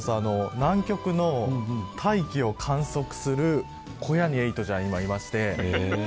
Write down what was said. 南極の大気を観測する小屋にエイトちゃんは今、いまして。